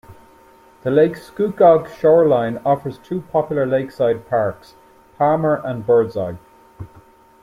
The Lake Scugog shoreline offers two popular lakeside parks, Palmer and Birdseye.